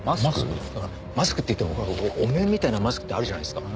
マスクっていってもほらお面みたいなマスクってあるじゃないですか。